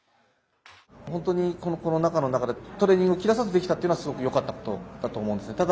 本当にこのコロナ禍の中でトレーニングを切らさずできたのはよかったことだと思います。